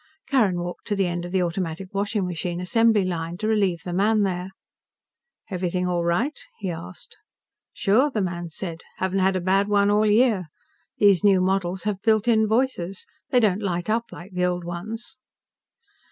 Carrin walked to the end of the automatic washing machine assembly line, to relieve the man there. "Everything all right?" he asked. "Sure," the man said. "Haven't had a bad one all year. These new models here have built in voices. They don't light up like the old ones."